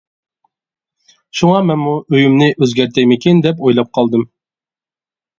شۇڭا مەنمۇ ئۆيۈمنى ئۆزگەرتەيمىكىن دەپ ئويلاپ قالدىم.